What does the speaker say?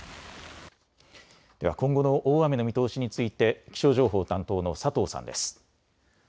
では今後の大雨の見通しについて気象情報担当の佐藤さんです。